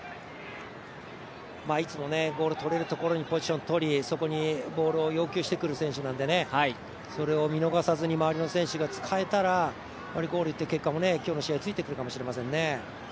いつも、ボールとれるところにポジションをとりそこにボールを要求してくる選手なのでそれを見逃さずに周りの選手が使えたらゴールっていう結果も今日の試合ついてくれるかもしれません。